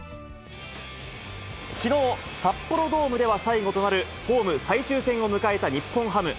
きのう、札幌ドームでは最後となるホーム最終戦を迎えた日本ハム。